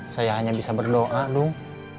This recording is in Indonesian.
saya hanya bisa berdoa dong